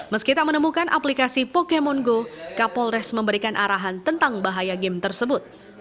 meski tak menemukan aplikasi pokemon go kapolres memberikan arahan tentang bahaya game tersebut